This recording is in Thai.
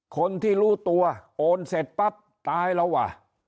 คนที่รู้ตัวโอนเสร็จปั๊บตายแล้วว่ะ